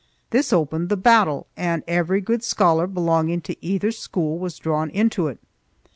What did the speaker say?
This opened the battle, and every good scholar belonging to either school was drawn into it.